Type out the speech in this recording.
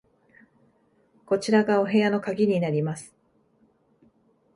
こちらがお部屋の鍵になります。